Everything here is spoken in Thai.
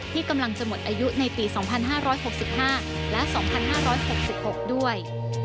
ที่กำลังจะหมดอายุในปี๒๕๖๕และ๒๕๖๖ด้วย